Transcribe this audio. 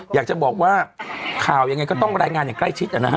อยากจะบอกว่าข่าวยังไงก็ต้องรายงานอย่างใกล้ชิดนะฮะ